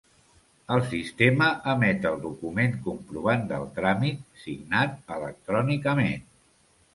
El sistema emet el document-comprovant del tràmit, signat electrònicament.